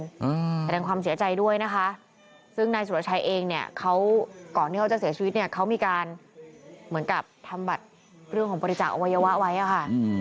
แสดงความเสียใจด้วยนะคะซึ่งนายสุรชัยเองเนี่ยเขาก่อนที่เขาจะเสียชีวิตเนี่ยเขามีการเหมือนกับทำบัตรเรื่องของบริจาคอวัยวะไว้อะค่ะ